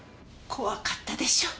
怖かったでしょう。